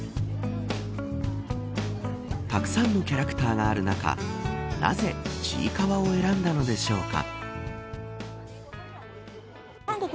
たくさんのキャラクターがある中なぜ、ちいかわを選んだのでしょうか。